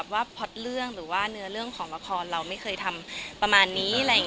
ว่าเนื้อเรื่องหรือคลอน้ำเรายังไม่เคยทำประมาณนี้